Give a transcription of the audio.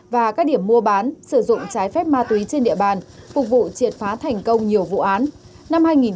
và các điểm mua bán sử dụng trái phép ma túy trên địa bàn phục vụ triệt phá thành công nhiều vụ án